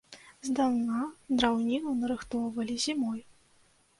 Здаўна драўніну нарыхтоўвалі зімой.